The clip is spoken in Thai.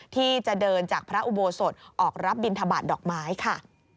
ที่จะเดินจากพระอุโบสถออกรับบินทบาทดอกไม้ค่ะ